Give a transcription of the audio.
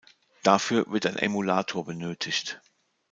Dafür wird ein Emulator benötigt.